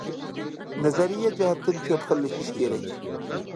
نەزەرىيە جەھەتتىن كۆپ خىللىشىش كېرەك.